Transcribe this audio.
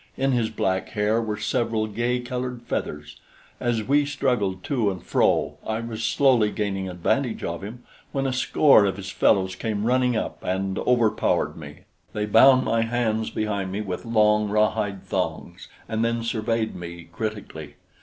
In his black hair were several gay colored feathers. As we struggled to and fro, I was slowly gaining advantage of him, when a score of his fellows came running up and overpowered me. They bound my hands behind me with long rawhide thongs and then surveyed me critically.